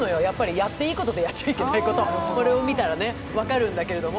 やっていいこととやっちゃいけないこと、これを見たら分かるんだけども。